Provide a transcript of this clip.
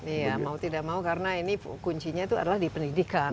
iya mau tidak mau karena ini kuncinya itu adalah di pendidikan